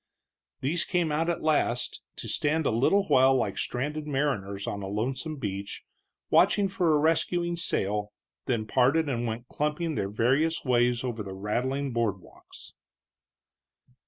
These came out at last, to stand a little while like stranded mariners on a lonesome beach watching for a rescuing sail, then parted and went clumping their various ways over the rattling board walks.